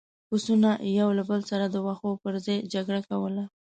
پسونو له یو بل سره د واښو پر سر جګړه کوله.